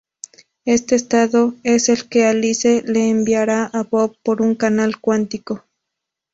Este estado es el que Alice le enviará a Bob por un canal cuántico.